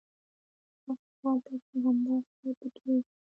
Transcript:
هغه ښار ته چې همدا سړی پکې اوسي.